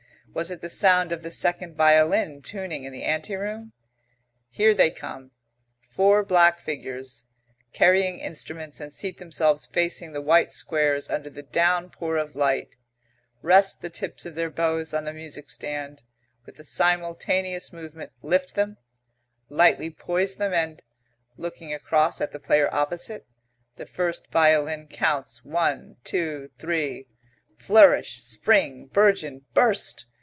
Was it the sound of the second violin tuning in the ante room? Here they come; four black figures, carrying instruments, and seat themselves facing the white squares under the downpour of light; rest the tips of their bows on the music stand; with a simultaneous movement lift them; lightly poise them, and, looking across at the player opposite, the first violin counts one, two, three Flourish, spring, burgeon, burst!